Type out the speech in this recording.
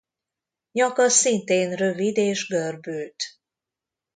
Nyaka szintén rövid és görbült.